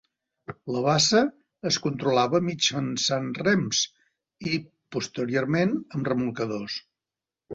La bassa es controlava mitjançant rems i, posteriorment, amb remolcadors.